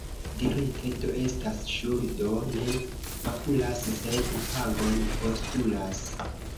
Dirite do estas: ŝuldo ne makulas, sed pagon postulas!